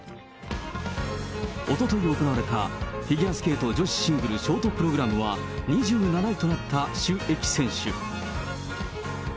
おととい行われたフィギュアスケート女子シングルショートプログラムは２７位となった朱易選手。